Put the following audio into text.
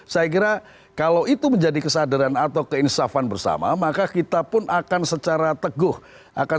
saya kira kalau itu menjadi kesadaran atau keinsafan bersama maka kita pun akan secara teguh akan